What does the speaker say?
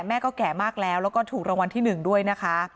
แม่ก็แก่มากแล้วแล้วก็ถูกรางวัลที่๑ด้วยนะคะ